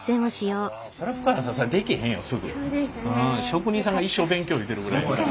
職人さんが一生勉強言うてるぐらいやから。